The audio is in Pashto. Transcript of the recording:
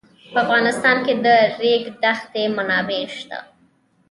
په افغانستان کې د د ریګ دښتې منابع شته.